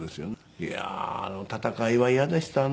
いやーあの闘いは嫌でしたね。